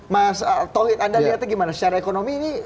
mas tauhid anda lihatnya gimana secara ekonomi ini